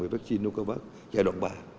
về vaccine nanocovid giai đoạn ba